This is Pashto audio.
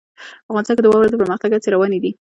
افغانستان کې د واوره د پرمختګ هڅې روانې دي.